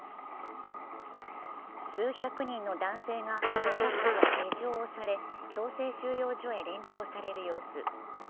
数百人の男性が目隠しや手錠をされ、強制収容所へ連行される様子。